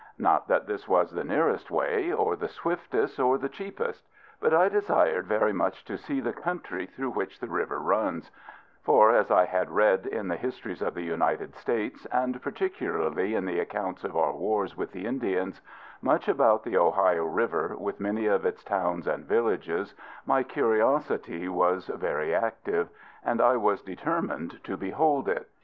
Not that this was the nearest way, or the swiftest, or the cheapest; but I desired very much to see the country through which the river runs: for, as I had read in the histories of the United States, and particularly in the accounts of our wars with the Indians, much about the Ohio River, with many of its towns and villages, my curiosity was very active; and I was determined to behold it.